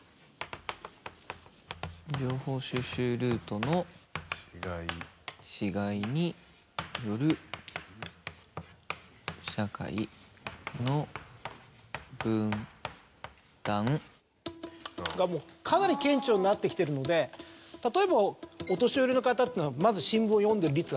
「情報収集ルートの違いによる社会の分断」。がもうかなり顕著になってきてるので例えばお年寄りの方っていうのはまず新聞を読んでいる率が高い。